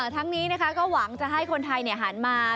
ทั้งนี้นะคะก็หวังจะให้คนไทยหันมา